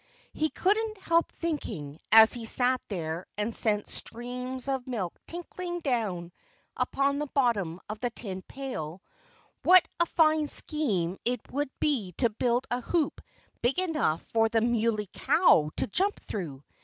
He couldn't help thinking, as he sat there and sent streams of milk tinkling down upon the bottom of the tin pail, what a fine scheme it would be to build a hoop big enough for the Muley Cow to jump through.